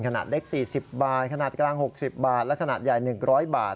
ขนาดเล็ก๔๐บาทขนาดกลาง๖๐บาทและขนาดใหญ่๑๐๐บาท